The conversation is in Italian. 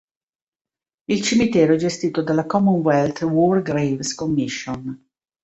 Il cimitero è gestito dalla Commonwealth War Graves Commission.